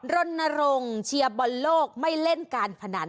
รณรงค์เชียร์บอลโลกไม่เล่นการพนัน